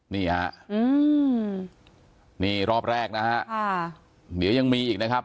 นี่ฮะอืมนี่รอบแรกนะฮะค่ะเดี๋ยวยังมีอีกนะครับ